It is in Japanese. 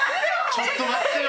ちょっと待ってよ